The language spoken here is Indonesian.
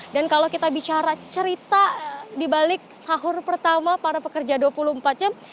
dan kalau kita bicara cerita di balik sahur pertama para pekerja dua puluh empat jam